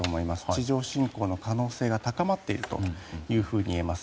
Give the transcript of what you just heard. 地上侵攻の可能性が高まっているといえます。